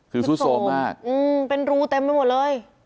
คือซุดโทรมมากเป็นรูเต็มไปหมดเลย